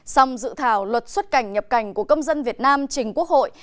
xong dự thảo luật xuất cảnh nhập cảnh của công dân việt nam trình quốc hội